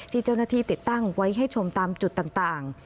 ที่เจ้าหน้าที่ติดตั้งไว้ให้ชมตามจุดต่าง